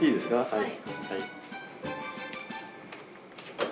はい。